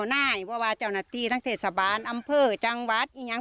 ร้ายกว่านี้ก็ลำบาก